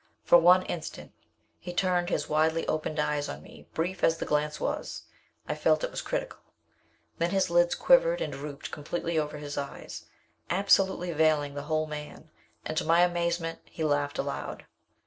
For one instant he turned his widely opened eyes on me brief as the glance was, I felt it was critical. Then his lids quivered and drooped completely over his eyes, absolutely veiling the whole man, and, to my amazement, he laughed aloud.